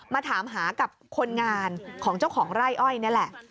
มาถามหากับคนงานของเจ้าของไร่อ้อยนี่แหละ